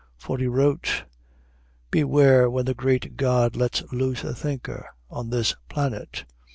For he wrote: "Beware when the great God lets loose a thinker on this planet.